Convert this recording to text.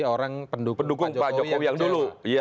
orang pendukung pak jokowi yang dulu